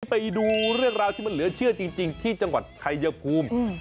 ไปดูเรื่องราวที่มันเหลือเชื่อจริงที่จังหวัดชายภูมิ